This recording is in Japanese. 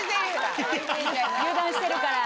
油断してるから。